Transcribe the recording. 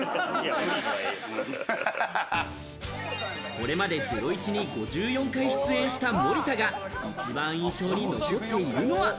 これまで『ゼロイチ』に５４回出演した森田が一番印象に残っているのは？